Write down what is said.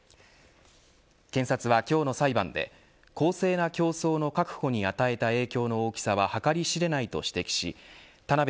検察は今日の裁判で公正な競争の確保に与えた影響の大きさは計り知れないと指摘し田辺